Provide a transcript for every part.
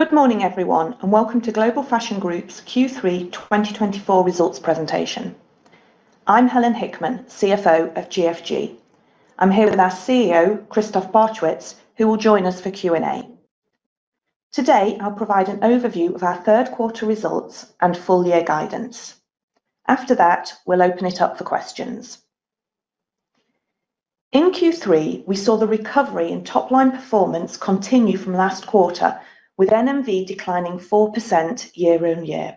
Good morning, everyone, and welcome to Global Fashion Group's Q3 2024 results presentation. I'm Helen Hickman, CFO of GFG. I'm here with our CEO, Christoph Barchewitz, who will join us for Q&A. Today, I'll provide an overview of our Q3 results and full-year guidance. After that, we'll open it up for questions. In Q3, we saw the recovery in top-line performance continue from last quarter, with NMV declining 4% year-on-year.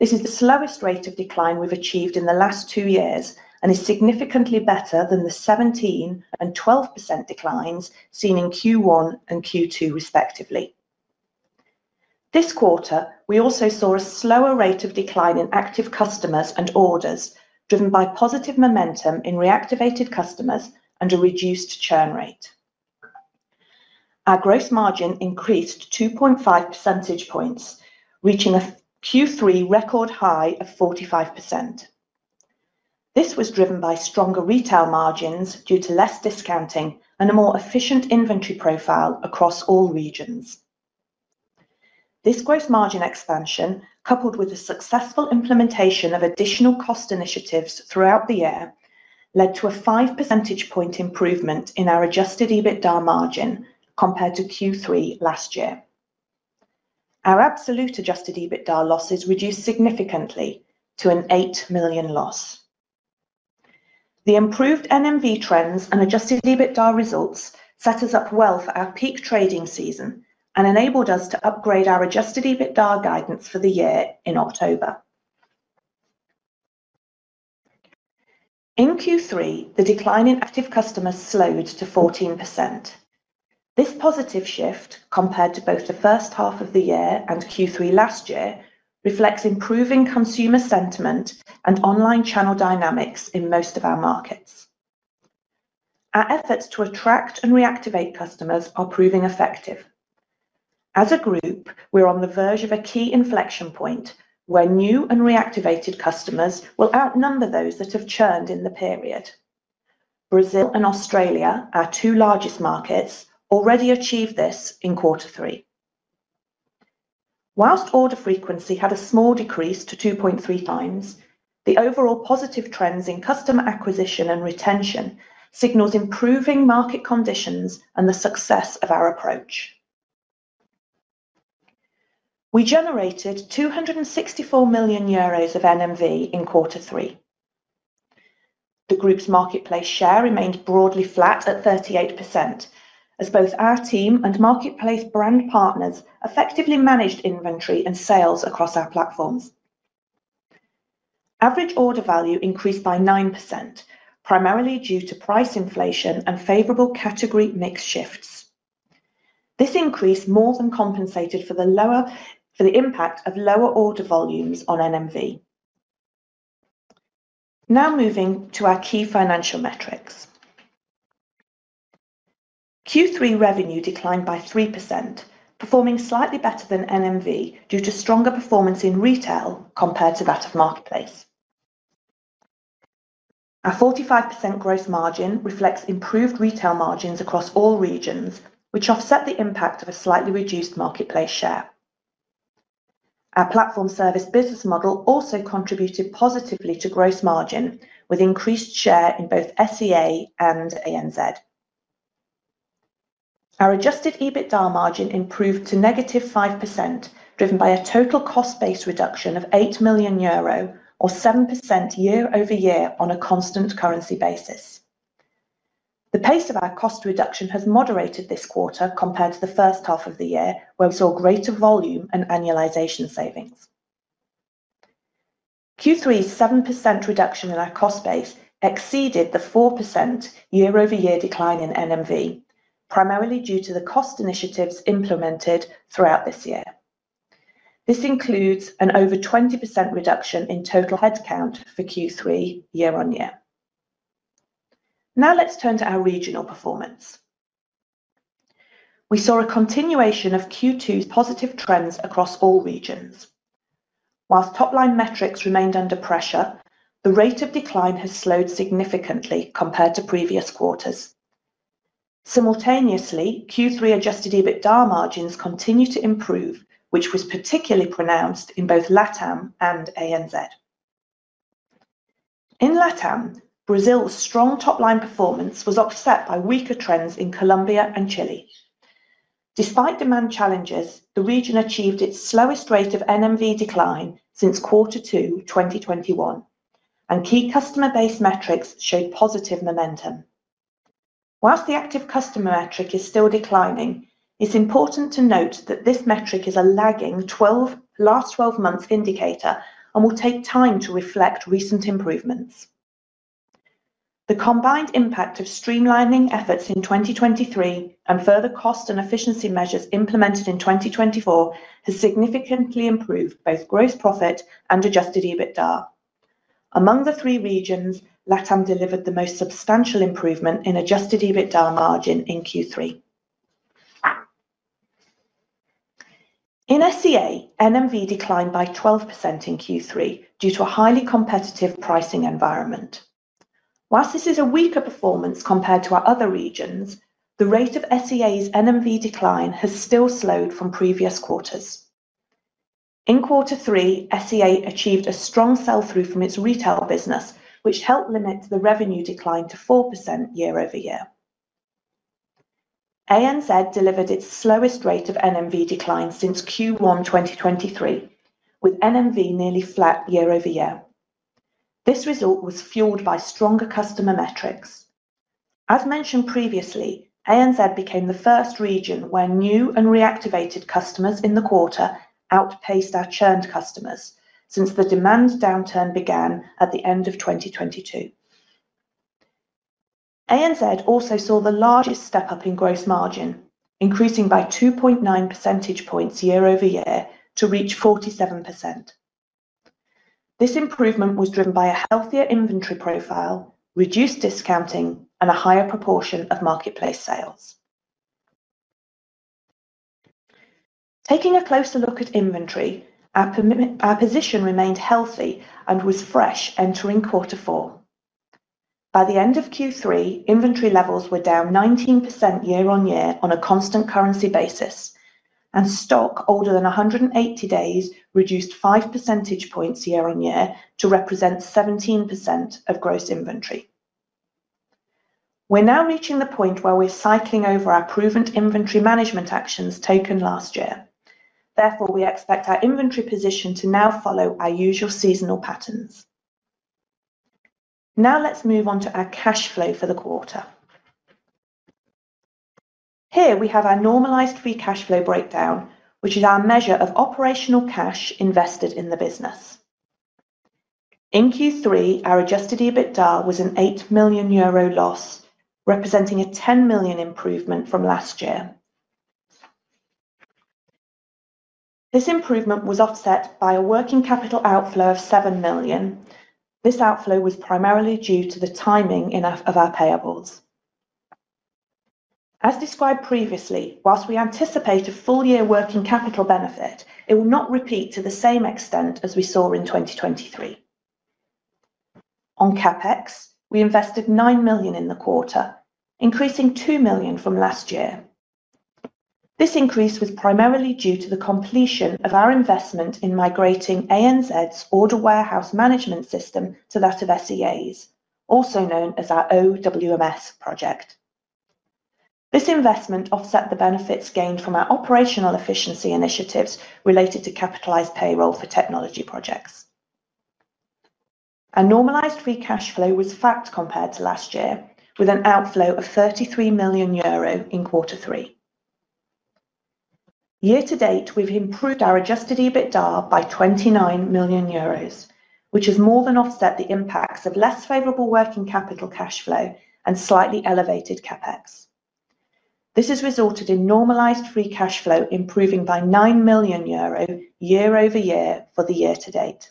This is the slowest rate of decline we've achieved in the last two years and is significantly better than the 17% and 12% declines seen in Q1 and Q2, respectively. This quarter, we also saw a slower rate of decline in active customers and orders, driven by positive momentum in reactivated customers and a reduced churn rate. Our gross margin increased 2.5 percentage points, reaching a Q3 record high of 45%. This was driven by stronger retail margins due to less discounting and a more efficient inventory profile across all regions. This gross margin expansion, coupled with the successful implementation of additional cost initiatives throughout the year, led to a 5 percentage point improvement in our adjusted EBITDA margin compared to Q3 last year. Our absolute adjusted EBITDA losses reduced significantly to an 8 million loss. The improved NMV trends and adjusted EBITDA results set us up well for our peak trading season and enabled us to upgrade our adjusted EBITDA guidance for the year in October. In Q3, the decline in active customers slowed to 14%. This positive shift, compared to both the H1 of the year and Q3 last year, reflects improving consumer sentiment and online channel dynamics in most of our markets. Our efforts to attract and reactivate customers are proving effective. As a group, we're on the verge of a key inflection point where new and reactivated customers will outnumber those that have churned in the period. Brazil and Australia, our two largest markets, already achieved this in Q3. While order frequency had a small decrease to 2.3 times, the overall positive trends in customer acquisition and retention signal improving market conditions and the success of our approach. We generated 264 million euros of NMV in Q3. The group's marketplace share remained broadly flat at 38%, as both our team and marketplace brand partners effectively managed inventory and sales across our platforms. Average order value increased by 9%, primarily due to price inflation and favorable category mix shifts. This increase more than compensated for the impact of lower order volumes on NMV. Now moving to our key financial metrics. Q3 revenue declined by 3%, performing slightly better than NMV due to stronger performance in retail compared to that of marketplace. Our 45% gross margin reflects improved retail margins across all regions, which offset the impact of a slightly reduced marketplace share. Our platform service business model also contributed positively to gross margin, with increased share in both SEA and ANZ. Our adjusted EBITDA margin improved to -5%, driven by a total cost base reduction of 8 million euro, or 7% year-over-year on a constant currency basis. The pace of our cost reduction has moderated this quarter compared to the H1 of the year, where we saw greater volume and annualization savings. Q3's 7% reduction in our cost base exceeded the 4% year-over-year decline in NMV, primarily due to the cost initiatives implemented throughout this year. This includes an over 20% reduction in total headcount for Q3 year-on-year. Now let's turn to our regional performance. We saw a continuation of Q2's positive trends across all regions. While top-line metrics remained under pressure, the rate of decline has slowed significantly compared to previous quarters. Simultaneously, Q3 adjusted EBITDA margins continued to improve, which was particularly pronounced in both LATAM and ANZ. In LATAM, Brazil's strong top-line performance was offset by weaker trends in Colombia and Chile. Despite demand challenges, the region achieved its slowest rate of NMV decline since Q2 2021, and key customer-based metrics showed positive momentum. While the active customer metric is still declining, it's important to note that this metric is a lagging last 12 months indicator and will take time to reflect recent improvements. The combined impact of streamlining efforts in 2023 and further cost and efficiency measures implemented in 2024 has significantly improved both gross profit and adjusted EBITDA. Among the three regions, LATAM delivered the most substantial improvement in adjusted EBITDA margin in Q3. In SEA, NMV declined by 12% in Q3 due to a highly competitive pricing environment. While this is a weaker performance compared to our other regions, the rate of SEA's NMV decline has still slowed from previous quarters. In Q3, SEA achieved a strong sell-through from its retail business, which helped limit the revenue decline to 4% year-over-year. ANZ delivered its slowest rate of NMV decline since Q1 2023, with NMV nearly flat year-over-year. This result was fueled by stronger customer metrics. As mentioned previously, ANZ became the first region where new and reactivated customers in the quarter outpaced our churned customers since the demand downturn began at the end of 2022. ANZ also saw the largest step-up in gross margin, increasing by 2.9 percentage points year-over-year to reach 47%. This improvement was driven by a healthier inventory profile, reduced discounting, and a higher proportion of marketplace sales. Taking a closer look at inventory, our position remained healthy and was fresh entering Q4. By the end of Q3, inventory levels were down 19% year-on-year on a constant currency basis, and stock older than 180 days reduced 5 percentage points year-on-year to represent 17% of gross inventory. We're now reaching the point where we're cycling over our proven inventory management actions taken last year. Therefore, we expect our inventory position to now follow our usual seasonal patterns. Now let's move on to our cash flow for the quarter. Here we have our normalized free cash flow breakdown, which is our measure of operational cash invested in the business. In Q3, our adjusted EBITDA was an 8 million euro loss, representing a 10 million improvement from last year. This improvement was offset by a working capital outflow of 7 million. This outflow was primarily due to the timing of our payables. As described previously, while we anticipate a full-year working capital benefit, it will not repeat to the same extent as we saw in 2023. On CapEx, we invested 9 million in the quarter, increasing 2 million from last year. This increase was primarily due to the completion of our investment in migrating ANZ's order warehouse management system to that of SEA's, also known as our OWMS project. This investment offset the benefits gained from our operational efficiency initiatives related to capitalized payroll for technology projects. Our normalized free cash flow was flat compared to last year, with an outflow of 33 million euro in Q3. Year-to-date, we've improved our adjusted EBITDA by 29 million euros, which has more than offset the impacts of less favorable working capital cash flow and slightly elevated CapEx. This has resulted in normalized free cash flow improving by 9 million euro year-over-year for the year-to-date.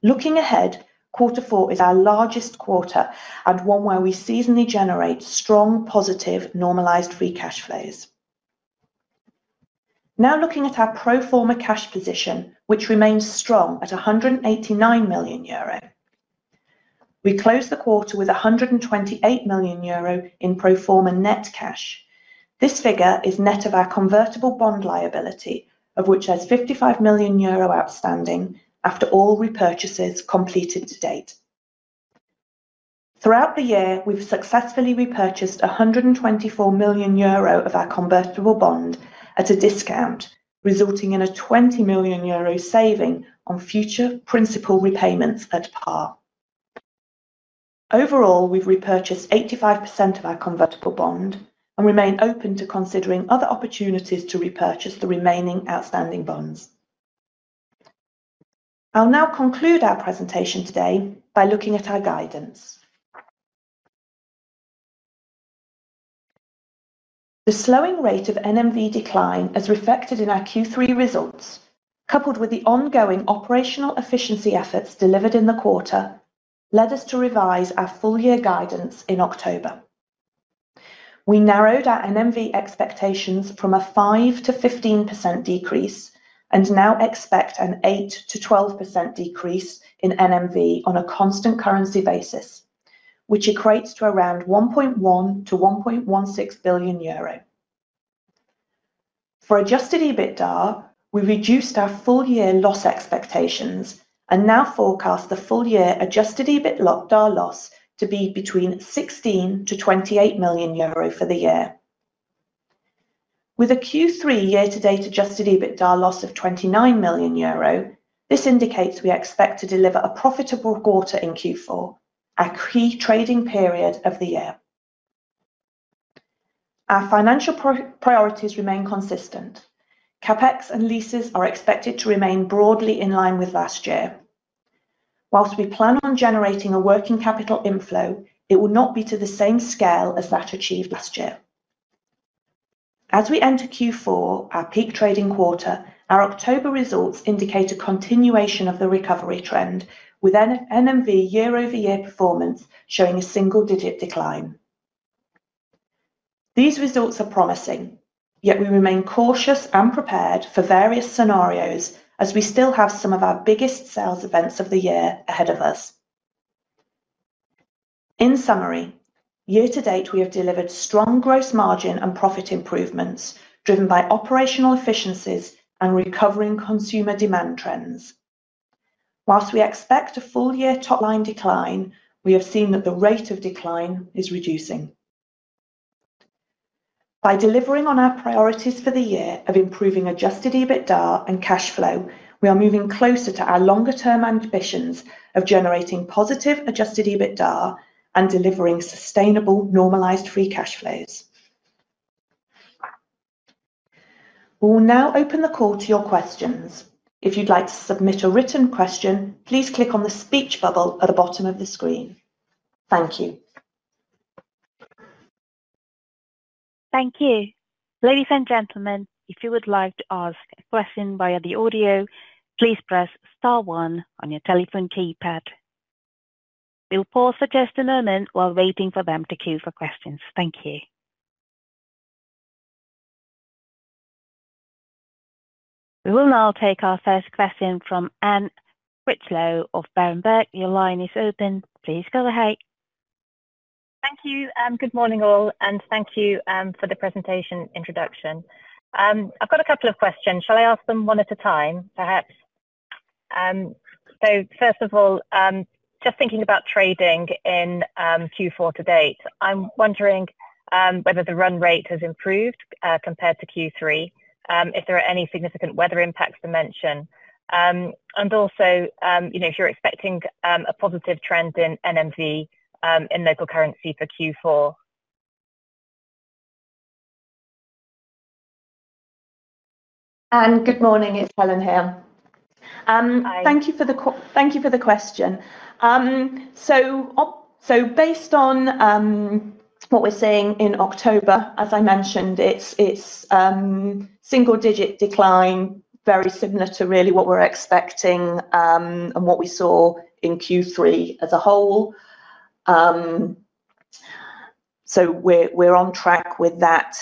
Looking ahead, Q4 is our largest quarter and one where we seasonally generate strong positive normalized free cash flows. Now looking at our pro forma cash position, which remains strong at 189 million euro. We closed the quarter with 128 million euro in pro forma net cash. This figure is net of our convertible bond liability, of which there's 55 million euro outstanding after all repurchases completed to date. Throughout the year, we've successfully repurchased 124 million euro of our convertible bond at a discount, resulting in a 20 million euro saving on future principal repayments at par. Overall, we've repurchased 85% of our convertible bond and remain open to considering other opportunities to repurchase the remaining outstanding bonds. I'll now conclude our presentation today by looking at our guidance. The slowing rate of NMV decline as reflected in our Q3 results, coupled with the ongoing operational efficiency efforts delivered in the quarter, led us to revise our full-year guidance in October. We narrowed our NMV expectations from a 5%-15% decrease and now expect an 8%-12% decrease in NMV on a constant currency basis, which equates to around 1.1 billion-1.16 billion euro. For adjusted EBITDA, we reduced our full-year loss expectations and now forecast the full-year adjusted EBITDA loss to be between 16 million-28 million euro for the year. With a Q3 year-to-date adjusted EBITDA loss of EUR 29 million, this indicates we expect to deliver a profitable quarter in Q4, our key trading period of the year. Our financial priorities remain consistent. CapEx and leases are expected to remain broadly in line with last year. While we plan on generating a working capital inflow, it will not be to the same scale as that achieved last year. As we enter Q4, our peak trading quarter, our October results indicate a continuation of the recovery trend, with NMV year-over-year performance showing a single-digit decline. These results are promising, yet we remain cautious and prepared for various scenarios as we still have some of our biggest sales events of the year ahead of us. In summary, year-to-date, we have delivered strong gross margin and profit improvements driven by operational efficiencies and recovering consumer demand trends. While we expect a full-year top-line decline, we have seen that the rate of decline is reducing. By delivering on our priorities for the year of improving adjusted EBITDA and cash flow, we are moving closer to our longer-term ambitions of generating positive adjusted EBITDA and delivering sustainable normalized free cash flows. We will now open the call to your questions. If you'd like to submit a written question, please click on the speech bubble at the bottom of the screen. Thank you. Thank you. Ladies and gentlemen, if you would like to ask a question via the audio, please press star one on your telephone keypad. We'll pause for just a moment while waiting for them to queue for questions. Thank you. We will now take our first question from Anne Critchlow of Berenberg. Your line is open. Please go ahead. Thank you. Good morning, all, and thank you for the presentation introduction. I've got a couple of questions. Shall I ask them one at a time, perhaps? So first of all, just thinking about trading in Q4 to date, I'm wondering whether the run rate has improved compared to Q3, if there are any significant weather impacts to mention, and also if you're expecting a positive trend in NMV in local currency for Q4. Good morning. It's Helen here. Thank you for the question. So based on what we're seeing in October, as I mentioned, it's single-digit decline, very similar to really what we're expecting and what we saw in Q3 as a whole. So we're on track with that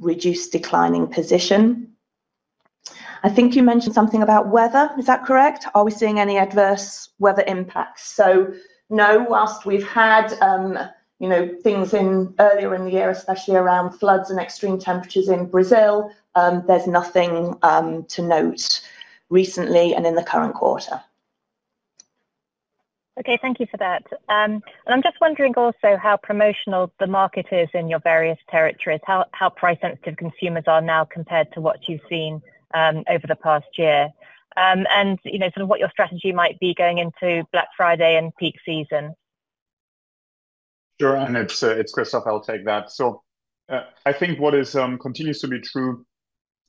reduced declining position. I think you mentioned something about weather. Is that correct? Are we seeing any adverse weather impacts? So no, while we've had things earlier in the year, especially around floods and extreme temperatures in Brazil, there's nothing to note recently and in the current quarter. Okay. Thank you for that. And I'm just wondering also how promotional the market is in your various territories, how price-sensitive consumers are now compared to what you've seen over the past year, and sort of what your strategy might be going into Black Friday and peak season. Sure. And it's Christoph. I'll take that. So I think what continues to be true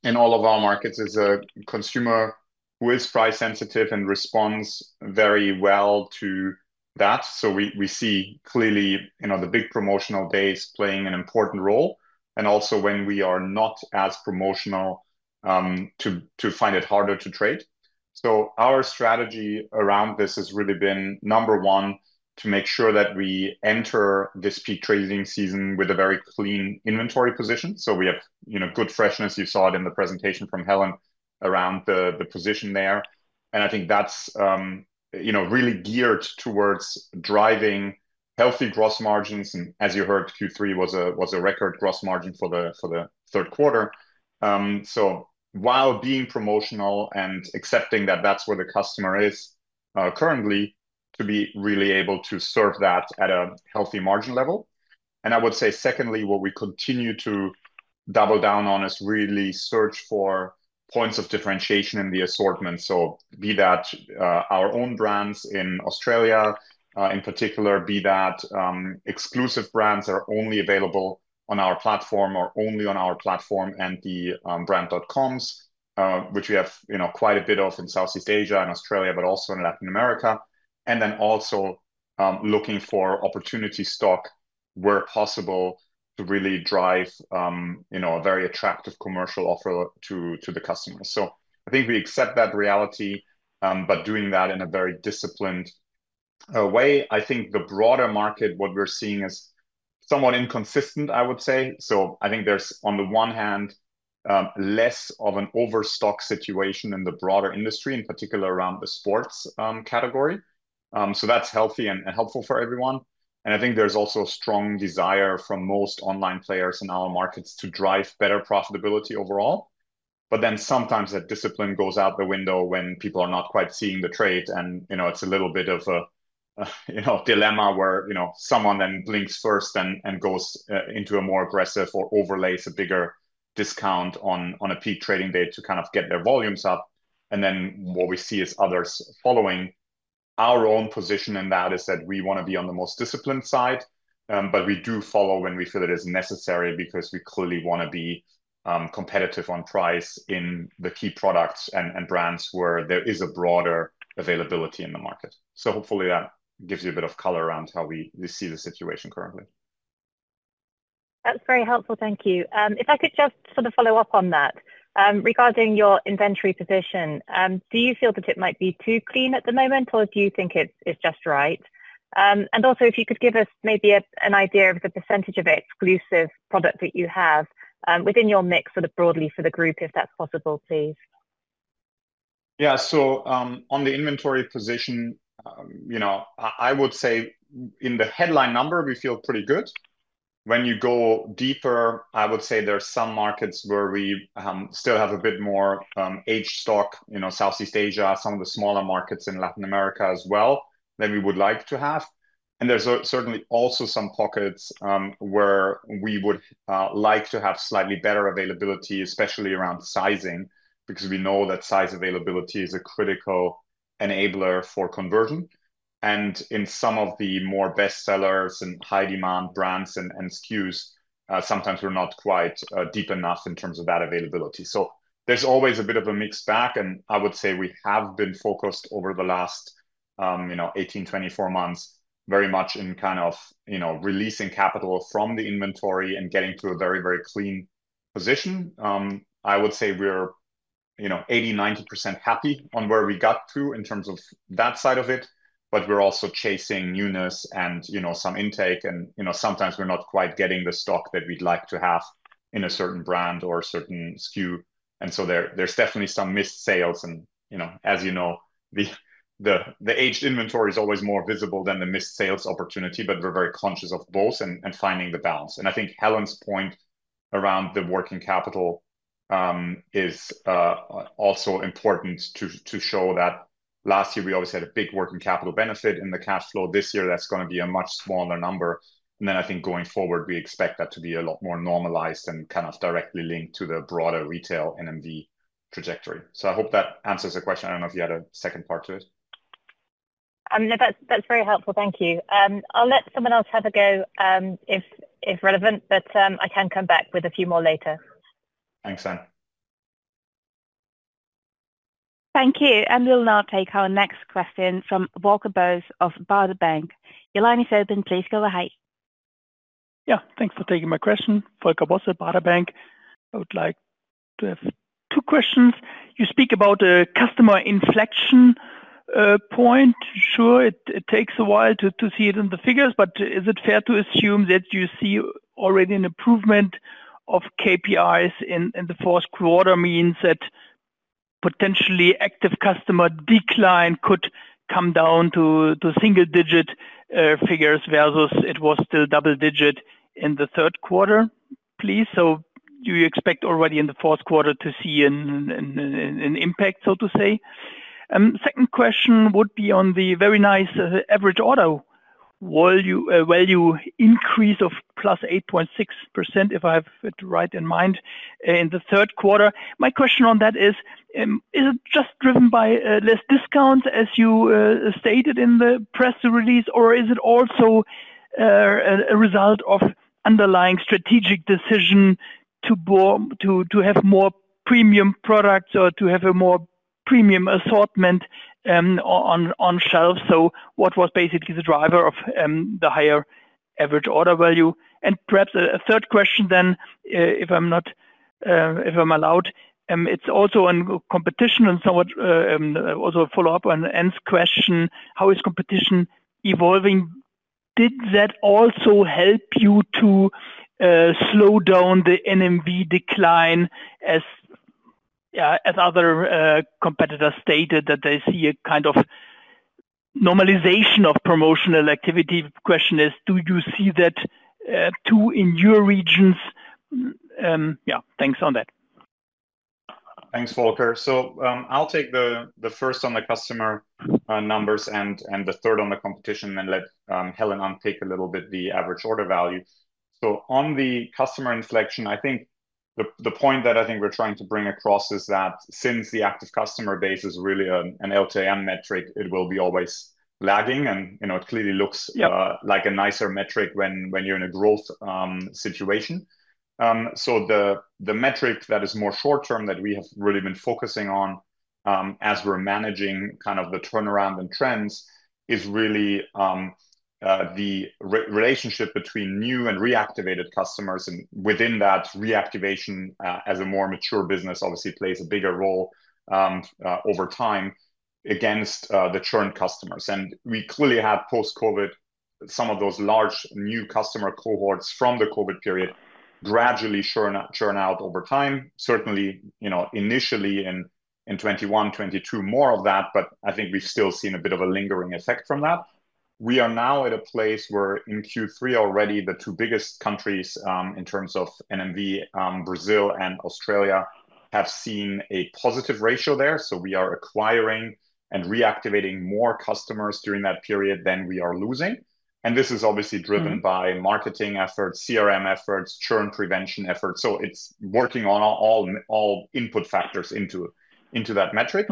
in all of our markets is a consumer who is price-sensitive and responds very well to that. So we see clearly the big promotional days playing an important role and also when we are not as promotional, to find it harder to trade. Our strategy around this has really been, number one, to make sure that we enter this peak trading season with a very clean inventory position. So we have good freshness. You saw it in the presentation from Helen around the position there. And I think that's really geared towards driving healthy gross margins. And as you heard, Q3 was a record gross margin for the Q3. So while being promotional and accepting that that's where the customer is currently, to be really able to serve that at a healthy margin level. And I would say, secondly, what we continue to double down on is really search for points of differentiation in the assortment. So be that our own brands in Australia, in particular, be that exclusive brands that are only available on our platform or only on our platform and the brand.coms, which we have quite a bit of in Southeast Asia and Australia, but also in Latin America. And then also looking for opportunity stock where possible to really drive a very attractive commercial offer to the customers. So I think we accept that reality, but doing that in a very disciplined way. I think the broader market, what we're seeing is somewhat inconsistent, I would say. So I think there's, on the one hand, less of an overstock situation in the broader industry, in particular around the sports category. So that's healthy and helpful for everyone. And I think there's also a strong desire from most online players in our markets to drive better profitability overall. But then sometimes that discipline goes out the window when people are not quite seeing the trade, and it's a little bit of a dilemma where someone then blinks first and goes into a more aggressive or overlays a bigger discount on a peak trading day to kind of get their volumes up. And then what we see is others following. Our own position in that is that we want to be on the most disciplined side, but we do follow when we feel it is necessary because we clearly want to be competitive on price in the key products and brands where there is a broader availability in the market. So hopefully that gives you a bit of color around how we see the situation currently. That's very helpful. Thank you. If I could just sort of follow up on that, regarding your inventory position, do you feel that it might be too clean at the moment, or do you think it's just right? And also, if you could give us maybe an idea of the percentage of exclusive product that you have within your mix sort of broadly for the group, if that's possible, please. Yeah. So on the inventory position, I would say in the headline number, we feel pretty good. When you go deeper, I would say there are some markets where we still have a bit more aged stock, Southeast Asia, some of the smaller markets in Latin America as well than we would like to have. And there's certainly also some pockets where we would like to have slightly better availability, especially around sizing, because we know that size availability is a critical enabler for conversion. And in some of the more bestsellers and high-demand brands and SKUs, sometimes we're not quite deep enough in terms of that availability. So there's always a bit of a mixed bag. And I would say we have been focused over the last 18, 24 months very much in kind of releasing capital from the inventory and getting to a very, very clean position. I would say we're 80%, 90% happy on where we got to in terms of that side of it, but we're also chasing newness and some intake. And sometimes we're not quite getting the stock that we'd like to have in a certain brand or a certain SKU. And so there's definitely some missed sales. And as you know, the aged inventory is always more visible than the missed sales opportunity, but we're very conscious of both and finding the balance. And I think Helen's point around the working capital is also important to show that last year we always had a big working capital benefit in the cash flow. This year, that's going to be a much smaller number. And then I think going forward, we expect that to be a lot more normalized and kind of directly linked to the broader retail NMV trajectory. So I hope that answers the question. I don't know if you had a second part to it. That's very helpful. Thank you. I'll let someone else have a go if relevant, but I can come back with a few more later. Thanks, Anne. Thank you. And we'll now take our next question from Volker Bosse of Baader Bank. Your line is open. Please go ahead. Yeah. Thanks for taking my question. Volker Bosse of Baader Bank. I would like to have two questions. You speak about a customer inflection point. Sure, it takes a while to see it in the figures, but is it fair to assume that you see already an improvement of KPIs in the Q4 means that potentially active customer decline could come down to single-digit figures versus it was still double-digit in the Q3, please? So do you expect already in the Q4 to see an impact, so to say? Second question would be on the very nice average order value increase of +8.6%, if I have it right in mind, in the Q3. My question on that is, is it just driven by less discounts, as you stated in the press release, or is it also a result of underlying strategic decision to have more premium products or to have a more premium assortment on shelves? So what was basically the driver of the higher average order value? And perhaps a third question then, if I'm allowed, it's also on competition and somewhat also a follow-up on Anne's question, how is competition evolving? Did that also help you to slow down the NMV decline as other competitors stated that they see a kind of normalization of promotional activity? The question is, do you see that too in your regions? Yeah. Thanks on that. Thanks, Volker. So I'll take the first on the customer numbers and the third on the competition, and let Helen take a little bit the average order value. On the customer inflection, I think the point that I think we're trying to bring across is that since the active customer base is really an LTM metric, it will be always lagging, and it clearly looks like a nicer metric when you're in a growth situation. The metric that is more short-term that we have really been focusing on as we're managing kind of the turnaround and trends is really the relationship between new and reactivated customers. And within that, reactivation as a more mature business obviously plays a bigger role over time against the churned customers. And we clearly had post-COVID, some of those large new customer cohorts from the COVID period gradually churn out over time. Certainly, initially in 2021, 2022, more of that, but I think we've still seen a bit of a lingering effect from that. We are now at a place where in Q3 already, the two biggest countries in terms of NMV, Brazil and Australia, have seen a positive ratio there. So we are acquiring and reactivating more customers during that period than we are losing. And this is obviously driven by marketing efforts, CRM efforts, churn prevention efforts. So it's working on all input factors into that metric.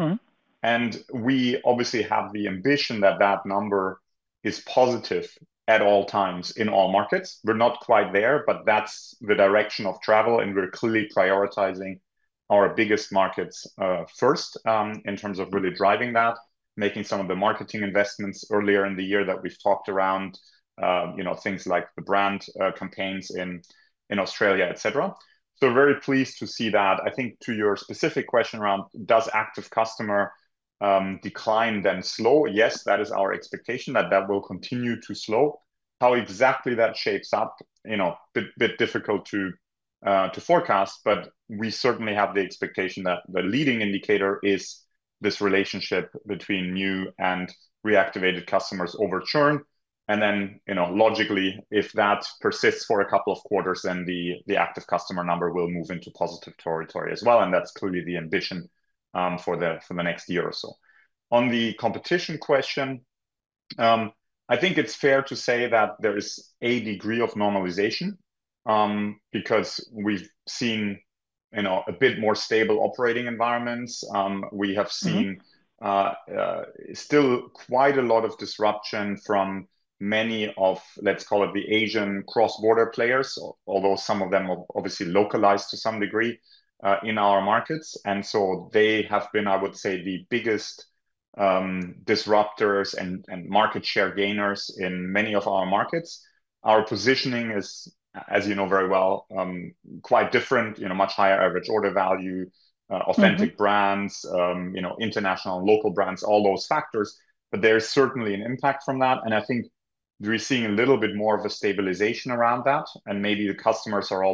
And we obviously have the ambition that that number is positive at all times in all markets. We're not quite there, but that's the direction of travel, and we're clearly prioritizing our biggest markets first in terms of really driving that, making some of the marketing investments earlier in the year that we've talked around things like the brand campaigns in Australia, etc. So we're very pleased to see that. I think to your specific question around, does active customer decline then slow? Yes, that is our expectation that that will continue to slow. How exactly that shapes up, a bit difficult to forecast, but we certainly have the expectation that the leading indicator is this relationship between new and reactivated customers over churn. And then logically, if that persists for a couple of quarters, then the active customer number will move into positive territory as well. And that's clearly the ambition for the next year or so. On the competition question, I think it's fair to say that there is a degree of normalization because we've seen a bit more stable operating environments. We have seen still quite a lot of disruption from many of, let's call it, the Asian cross-border players, although some of them are obviously localized to some degree in our markets. And so they have been, I would say, the biggest disruptors and market share gainers in many of our markets. Our positioning is, as you know very well, quite different, much higher average order value, authentic brands, international and local brands, all those factors. But there's certainly an impact from that. And I think we're seeing a little bit more of a stabilization around that. And maybe the customers are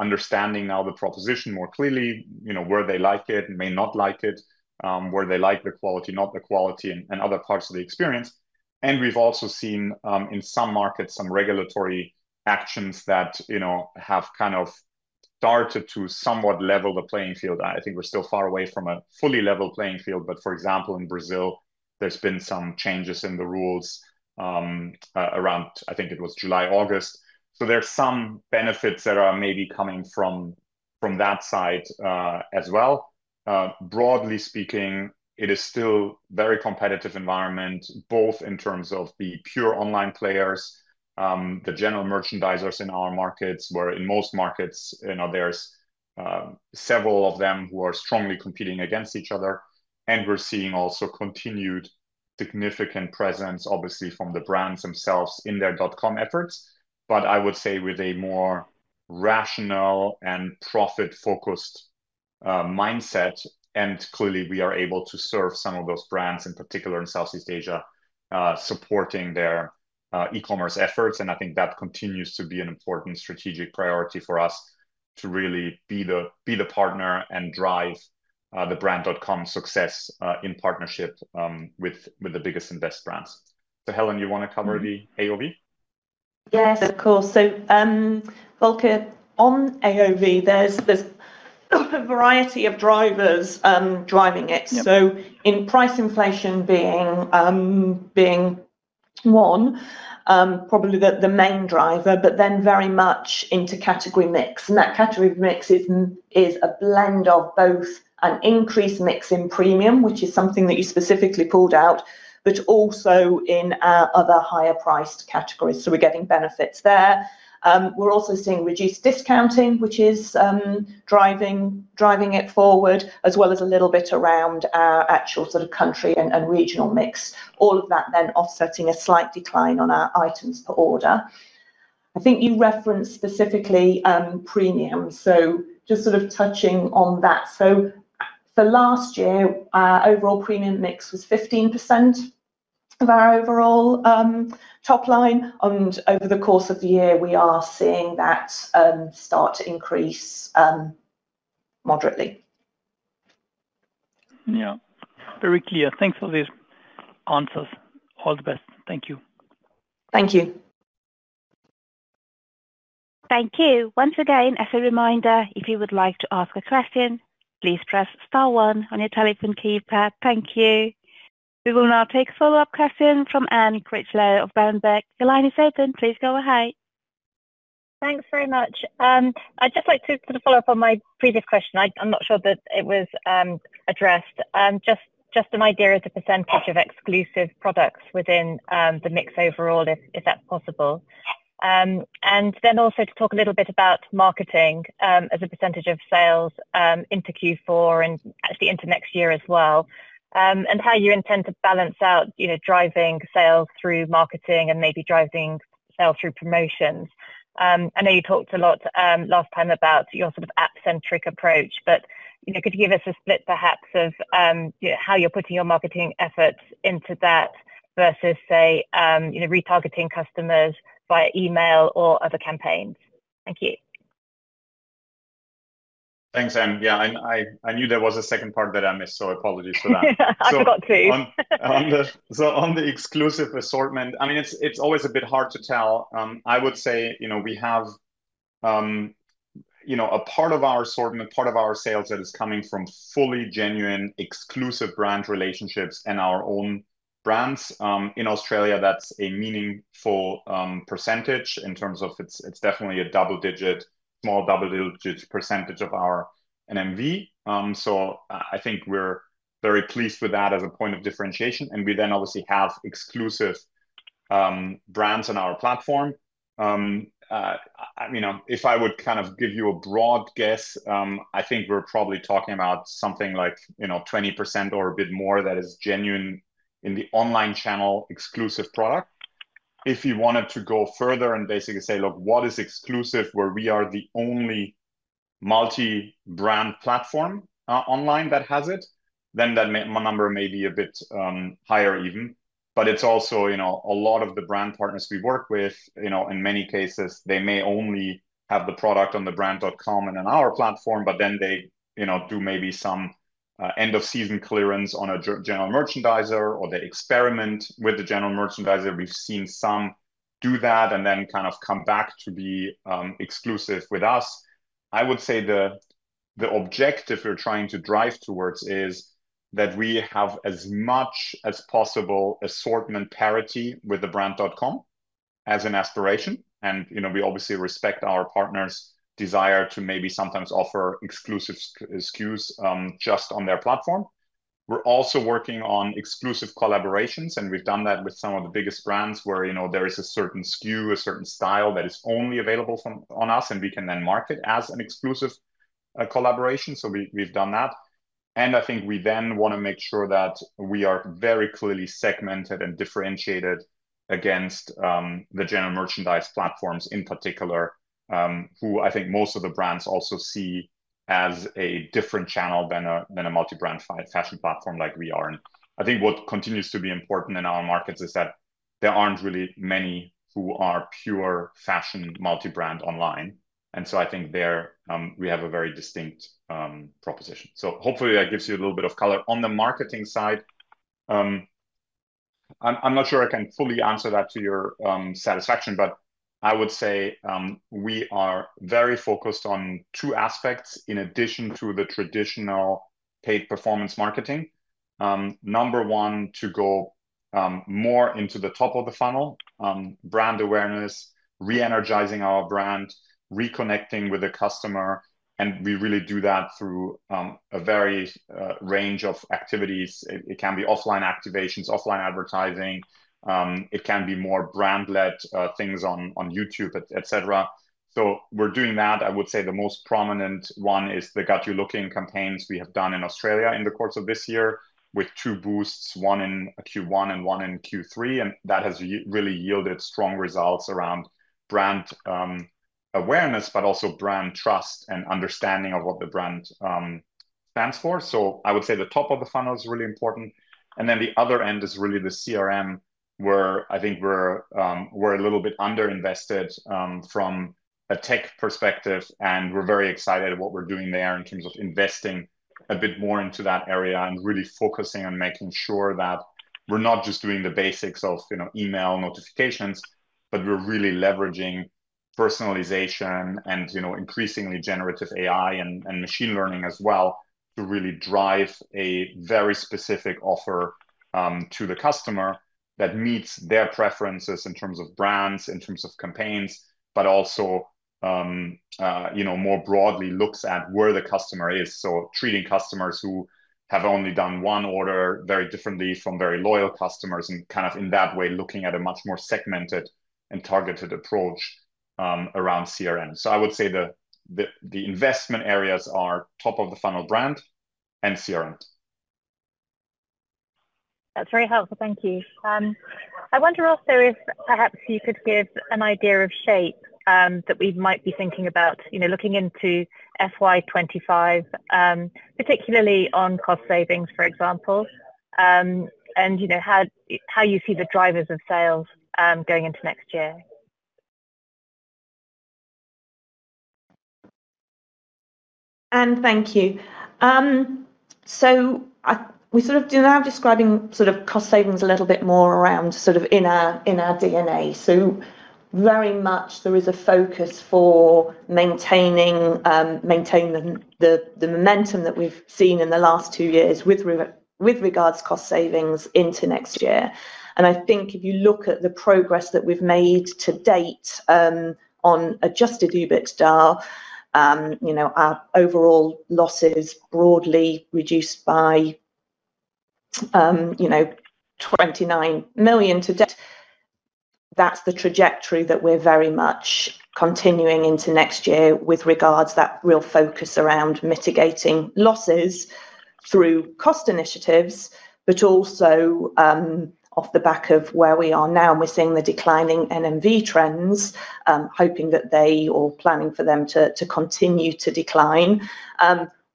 also understanding now the proposition more clearly, where they like it, may not like it, where they like the quality, not the quality, and other parts of the experience. And we've also seen in some markets some regulatory actions that have kind of started to somewhat level the playing field. I think we're still far away from a fully level playing field, but for example, in Brazil, there's been some changes in the rules around, I think it was July, August, so there's some benefits that are maybe coming from that side as well. Broadly speaking, it is still a very competitive environment, both in terms of the pure online players, the general merchandisers in our markets, where in most markets, there's several of them who are strongly competing against each other, and we're seeing also continued significant presence, obviously, from the brands themselves in their dot-com efforts, but I would say with a more rational and profit-focused mindset, and clearly, we are able to serve some of those brands, in particular in Southeast Asia, supporting their e-commerce efforts. And I think that continues to be an important strategic priority for us to really be the partner and drive the brand.com success in partnership with the biggest and best brands. So Helen, you want to cover the AOV? Yes, of course. So Volker, on AOV, there's a variety of drivers driving it. So price inflation being one, probably the main driver, but then very much into category mix. And that category mix is a blend of both an increased mix in premium, which is something that you specifically pulled out, but also in our other higher-priced categories. So we're getting benefits there. We're also seeing reduced discounting, which is driving it forward, as well as a little bit around our actual sort of country and regional mix, all of that then offsetting a slight decline on our items per order. I think you referenced specifically premium. So just sort of touching on that. So for last year, our overall premium mix was 15% of our overall top line. And over the course of the year, we are seeing that start to increase moderately. Yeah. Very clear. Thanks for these answers. All the best. Thank you. Thank you. Thank you. Once again, as a reminder, if you would like to ask a question, please press star one on your telephone keypad. Thank you. We will now take a follow-up question from Anne Critchlow of Berenberg. Your line is open. Please go ahead. Thanks very much. I'd just like to sort of follow up on my previous question. I'm not sure that it was addressed. Just an idea of the percentage of exclusive products within the mix overall, if that's possible. And then also to talk a little bit about marketing as a percentage of sales into Q4 and actually into next year as well, and how you intend to balance out driving sales through marketing and maybe driving sales through promotions. I know you talked a lot last time about your sort of app-centric approach, but could you give us a split perhaps of how you're putting your marketing efforts into that versus, say, retargeting customers via email or other campaigns? Thank you. Thanks, Anne. Yeah. I knew there was a second part that I missed, so apologies for that. I forgot too. So on the exclusive assortment, I mean, it's always a bit hard to tell. I would say we have a part of our assortment, part of our sales that is coming from fully genuine exclusive brand relationships and our own brands. In Australia, that's a meaningful percentage in terms of it's definitely a small double-digit percentage of our NMV. So I think we're very pleased with that as a point of differentiation. And we then obviously have exclusive brands on our platform. If I would kind of give you a broad guess, I think we're probably talking about something like 20% or a bit more that is genuine in the online channel exclusive product. If you wanted to go further and basically say, "Look, what is exclusive where we are the only multi-brand platform online that has it," then that number may be a bit higher even. But it's also a lot of the brand partners we work with. In many cases, they may only have the product on the brand.com and on our platform, but then they do maybe some end-of-season clearance on a general merchandiser or they experiment with the general merchandiser. We've seen some do that and then kind of come back to be exclusive with us. I would say the objective we're trying to drive towards is that we have as much as possible assortment parity with the brand.com as an aspiration. And we obviously respect our partners' desire to maybe sometimes offer exclusive SKUs just on their platform. We're also working on exclusive collaborations, and we've done that with some of the biggest brands where there is a certain SKU, a certain style that is only available on us, and we can then market as an exclusive collaboration. So we've done that. And I think we then want to make sure that we are very clearly segmented and differentiated against the general merchandise platforms in particular, who I think most of the brands also see as a different channel than a multi-brand fashion platform like we are. And I think what continues to be important in our markets is that there aren't really many who are pure fashion multi-brand online. And so I think we have a very distinct proposition. So hopefully, that gives you a little bit of color. On the marketing side, I'm not sure I can fully answer that to your satisfaction, but I would say we are very focused on two aspects in addition to the traditional paid performance marketing. Number one, to go more into the top of the funnel, brand awareness, re-energizing our brand, reconnecting with the customer. And we really do that through a varied range of activities. It can be offline activations, offline advertising. It can be more brand-led things on YouTube, etc. So we're doing that. I would say the most prominent one is the Got You Looking campaigns we have done in Australia in the course of this year with two boosts, one in Q1 and one in Q3. And that has really yielded strong results around brand awareness, but also brand trust and understanding of what the brand stands for. So I would say the top of the funnel is really important. And then the other end is really the CRM, where I think we're a little bit underinvested from a tech perspective. And we're very excited at what we're doing there in terms of investing a bit more into that area and really focusing on making sure that we're not just doing the basics of email notifications, but we're really leveraging personalization and increasingly generative AI and machine learning as well to really drive a very specific offer to the customer that meets their preferences in terms of brands, in terms of campaigns, but also more broadly looks at where the customer is. So treating customers who have only done one order very differently from very loyal customers and kind of in that way looking at a much more segmented and targeted approach around CRM. So I would say the investment areas are top of the funnel brand and CRM. That's very helpful. Thank you. I wonder also if perhaps you could give an idea of shape that we might be thinking about looking into FY 2025, particularly on cost savings, for example, and how you see the drivers of sales going into next year. Anne, thank you. So we sort of do now describing sort of cost savings a little bit more around sort of in our DNA. So very much there is a focus for maintaining the momentum that we've seen in the last two years with regards to cost savings into next year. And I think if you look at the progress that we've made to date on adjusted EBITDA, our overall losses broadly reduced by 29 million to date. That's the trajectory that we're very much continuing into next year with regards to that real focus around mitigating losses through cost initiatives, but also off the back of where we are now. We're seeing the declining NMV trends, hoping that they, or planning for them, to continue to decline.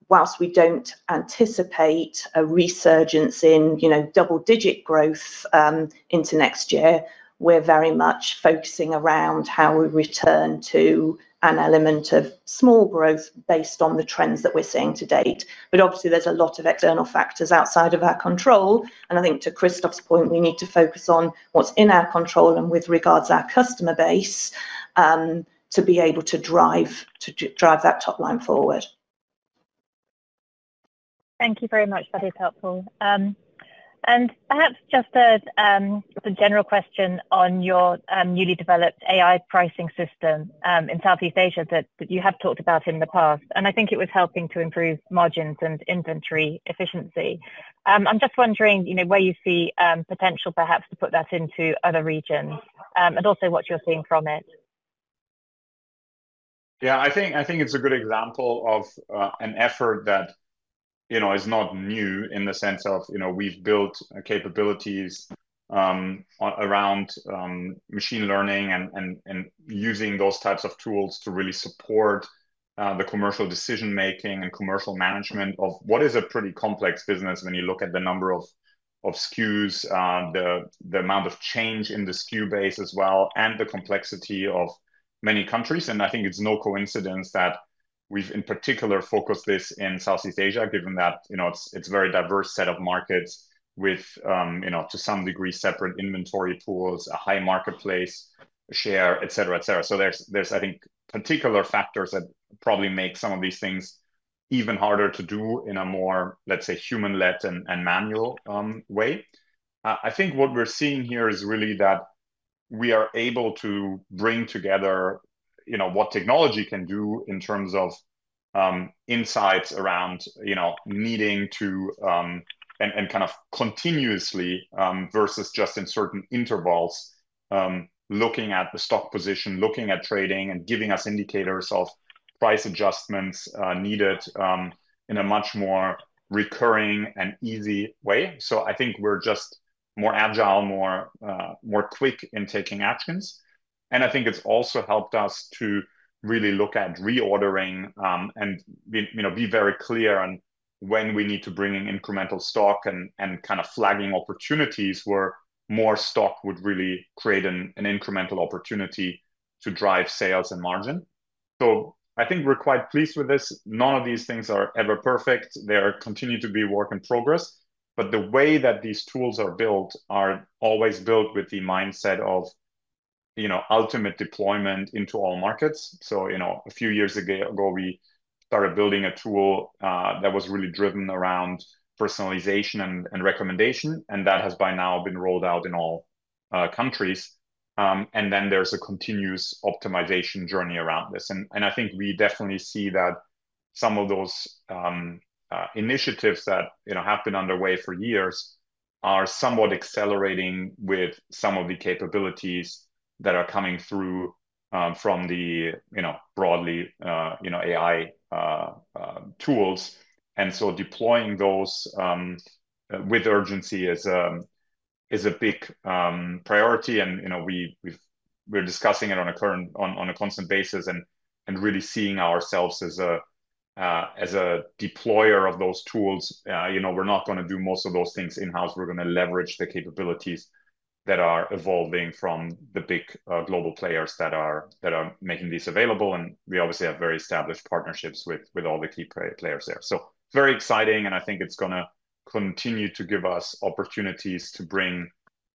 While we don't anticipate a resurgence in double-digit growth into next year, we're very much focusing around how we return to an element of small growth based on the trends that we're seeing to date. But obviously, there's a lot of external factors outside of our control. And I think to Christoph's point, we need to focus on what's in our control and with regards to our customer base to be able to drive that top line forward. Thank you very much. That is helpful. And perhaps just a general question on your newly developed AI pricing system in Southeast Asia that you have talked about in the past. And I think it was helping to improve margins and inventory efficiency. I'm just wondering where you see potential perhaps to put that into other regions and also what you're seeing from it? Yeah. I think it's a good example of an effort that is not new in the sense of we've built capabilities around machine learning and using those types of tools to really support the commercial decision-making and commercial management of what is a pretty complex business when you look at the number of SKUs, the amount of change in the SKU base as well, and the complexity of many countries. And I think it's no coincidence that we've in particular focused this in Southeast Asia, given that it's a very diverse set of markets with, to some degree, separate inventory pools, a high marketplace share, etc., etc. So there's, I think, particular factors that probably make some of these things even harder to do in a more, let's say, human-led and manual way. I think what we're seeing here is really that we are able to bring together what technology can do in terms of insights around needing to and kind of continuously versus just in certain intervals, looking at the stock position, looking at trading, and giving us indicators of price adjustments needed in a much more recurring and easy way. So I think we're just more agile, more quick in taking actions. And I think it's also helped us to really look at reordering and be very clear on when we need to bring in incremental stock and kind of flagging opportunities where more stock would really create an incremental opportunity to drive sales and margin. So I think we're quite pleased with this. None of these things are ever perfect. They continue to be work in progress. But the way that these tools are built are always built with the mindset of ultimate deployment into all markets. So a few years ago, we started building a tool that was really driven around personalization and recommendation. And that has by now been rolled out in all countries. And then there's a continuous optimization journey around this. And I think we definitely see that some of those initiatives that have been underway for years are somewhat accelerating with some of the capabilities that are coming through from the broadly AI tools. And so deploying those with urgency is a big priority. And we're discussing it on a constant basis and really seeing ourselves as a deployer of those tools. We're not going to do most of those things in-house. We're going to leverage the capabilities that are evolving from the big global players that are making these available, and we obviously have very established partnerships with all the key players there, so very exciting, and I think it's going to continue to give us opportunities to bring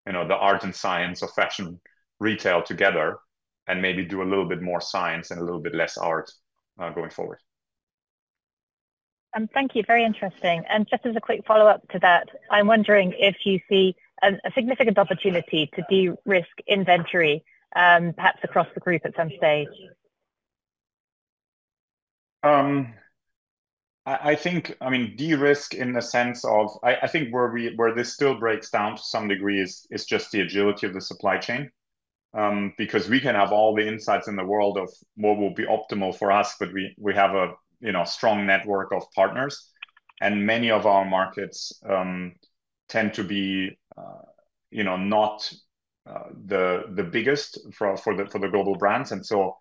the art and science of fashion retail together and maybe do a little bit more science and a little bit less art going forward. Thank you. Very interesting, and just as a quick follow-up to that, I'm wondering if you see a significant opportunity to de-risk inventory perhaps across the group at some stage. I mean, de-risk in the sense of I think where this still breaks down to some degree is just the agility of the supply chain because we can have all the insights in the world of what will be optimal for us, but we have a strong network of partners, and many of our markets tend to be not the biggest for the global brands, and so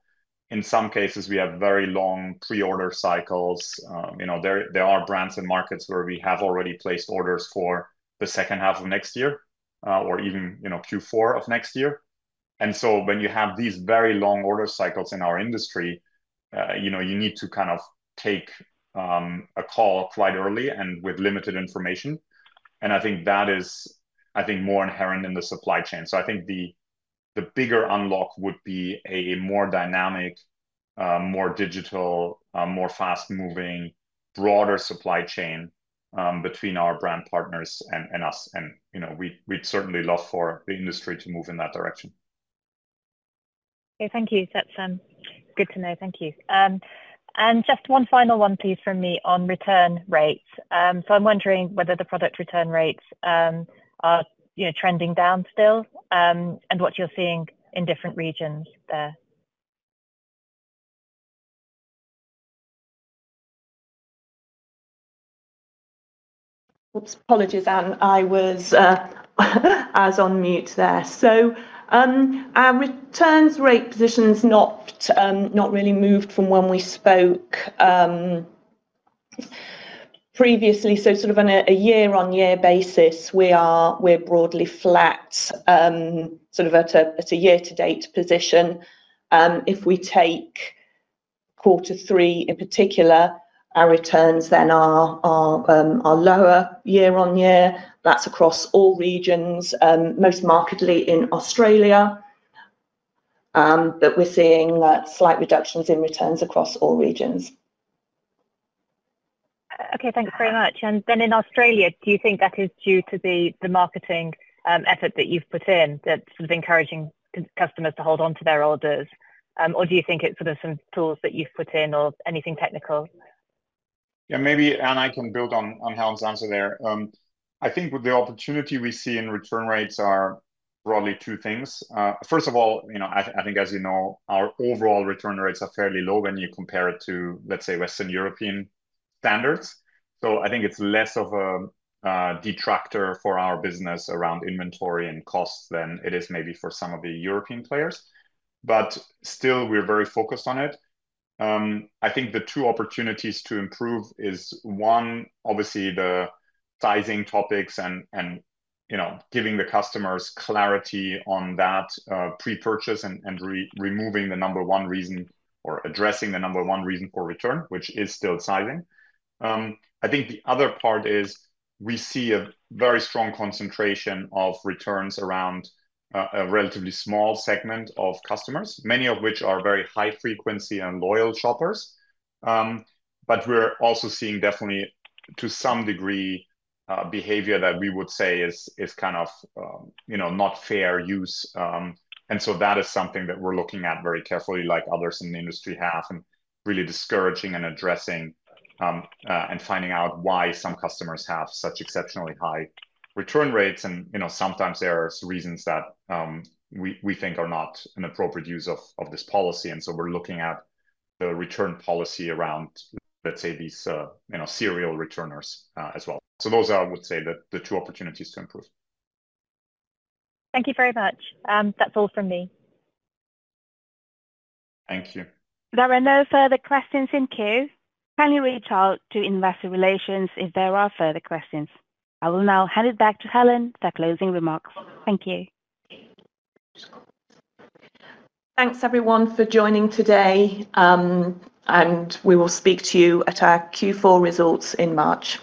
in some cases, we have very long pre-order cycles. There are brands and markets where we have already placed orders for the H2 of next year or even Q4 of next year, and so when you have these very long order cycles in our industry, you need to kind of take a call quite early and with limited information, and I think that is, I think, more inherent in the supply chain. So I think the bigger unlock would be a more dynamic, more digital, more fast-moving, broader supply chain between our brand partners and us. And we'd certainly love for the industry to move in that direction. Okay. Thank you. That's good to know. Thank you. And just one final one, please, from me on return rates. So I'm wondering whether the product return rates are trending down still and what you're seeing in different regions there. Apologies, Anne. I was on mute there. So our returns rate position has not really moved from when we spoke previously. So sort of on a year-on-year basis, we're broadly flat, sort of at a year-to-date position. If we take Q3 in particular, our returns then are lower year-on-year. That's across all regions, most markedly in Australia. But we're seeing slight reductions in returns across all regions. Okay. Thanks very much. And then in Australia, do you think that is due to the marketing effort that you've put in, that sort of encouraging customers to hold on to their orders? Or do you think it's sort of some tools that you've put in or anything technical? Yeah. Maybe Anne, I can build on Helen's answer there. I think the opportunity we see in return rates are broadly two things. First of all, I think, as you know, our overall return rates are fairly low when you compare it to, let's say, Western European standards. So I think it's less of a detractor for our business around inventory and cost than it is maybe for some of the European players. But still, we're very focused on it. I think the two opportunities to improve is, one, obviously the sizing topics and giving the customers clarity on that pre-purchase and removing the number one reason or addressing the number one reason for return, which is still sizing. I think the other part is we see a very strong concentration of returns around a relatively small segment of customers, many of which are very high-frequency and loyal shoppers, but we're also seeing definitely, to some degree, behavior that we would say is kind of not fair use, and so that is something that we're looking at very carefully, like others in the industry have, and really discouraging and addressing and finding out why some customers have such exceptionally high return rates, and sometimes there are reasons that we think are not an appropriate use of this policy. And so we're looking at the return policy around, let's say, these serial returners as well. So those are, I would say, the two opportunities to improve. Thank you very much. That's all from me. Thank you. There are no further questions in queue. Kindly reach out to investor relations if there are further questions. I will now hand it back to Helen for closing remarks. Thank you. Thanks, everyone, for joining today and we will speak to you at our Q4 results in March.